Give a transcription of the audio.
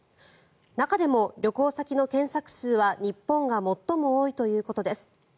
中でも旅行先の検索数は日本が最も多いということです。